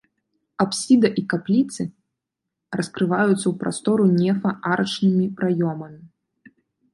Апсіда і капліцы раскрываюцца ў прастору нефа арачнымі праёмамі.